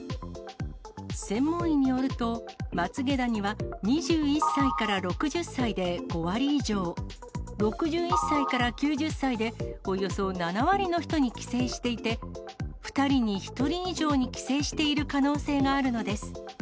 専門医によると、まつげダニは２１歳から６０歳で５割以上、６１歳から９０歳で、およそ７割の人に寄生していて、２人に１人以上に寄生している可能性があるのです。